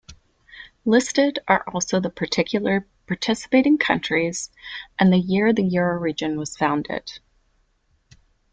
Listed are also the particular participating countries and the year the euroregion was founded.